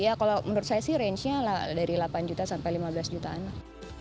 ya kalau menurut saya sih range nya dari delapan juta sampai lima belas jutaan lah